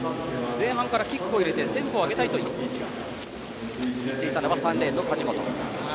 前半からキックを入れてテンポを上げたいと言っていたのは、３レーンの梶本。